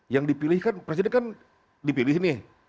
yang dipilih kan presiden kan dipilih nih